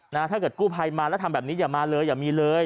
ถ้าเกิดกู้ภัยมาแล้วทำแบบนี้อย่ามาเลยอย่ามีเลย